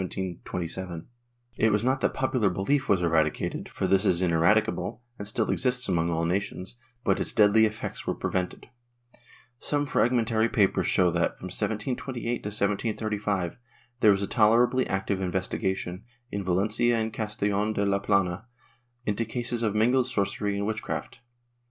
^ It was not that popular belief was eradicated, for this is ineradicable and still exists among all nations, but its deadly effects were prevented. Some fragmentary papers show that, from 1728 to 1735, there was a tolerably active investigation, in Valencia and Castellon de la Plana, into cases of mingled sorcery and witchcraft.